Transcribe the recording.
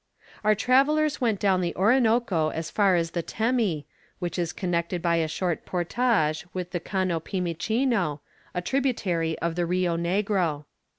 Our travellers went down the Orinoco as far as the Temi, which is connected by a short portage with the Cano Pimichino, a tributary of the Rio Negro.